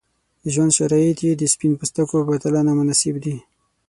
د ژوند شرایط یې د سپین پوستکو په پرتله نامناسب دي.